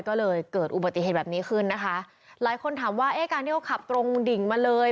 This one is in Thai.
ก็เลยเกิดอุบัติเหตุแบบนี้ขึ้นนะคะหลายคนถามว่าเอ๊ะการที่เขาขับตรงดิ่งมาเลย